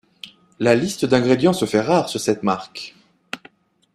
La liste d'ingrédients se fait rare sur cette marque.